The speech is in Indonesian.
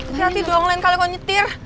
hati hati dong lain kali kau nyetir